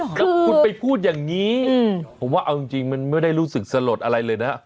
แล้วคุณไปพูดอย่างนี้ผมว่าเอาจริงมันไม่ได้รู้สึกสลดอะไรเลยนะ